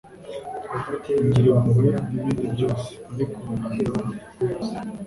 ngira impuhwe nibindi byose, ariko nanga abantu.